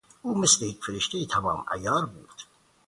او مثل یک فرشتهی تمام عیار بود.